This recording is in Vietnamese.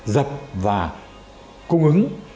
dập và cung ứng